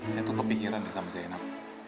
saya tuh kepikiran nih sama zainab